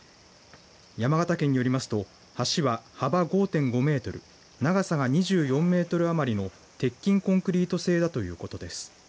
山形県によりますと橋は幅５．５メートル長さが２４メートル余りの鉄筋コンクリート製だということです。